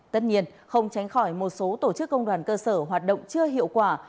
tất nhiên không tránh khỏi một số tổ chức công đoàn cơ sở hoạt động chưa hiệu quả